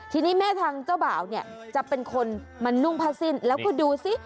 ทีนี้แม่ทางเจ้าบ่าวเนี่ยจะเป็นคนมานุ่งผ้าสิ้นแล้วก็ดูสิ